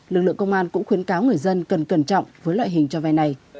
lực lượng công an cũng khuyến cáo người dân cần cẩn trọng với loại hình cho vay này